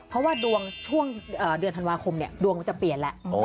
เพราะว่าดวงช่วงเดือนธันวาคมดวงจะเปลี่ยนแล้ว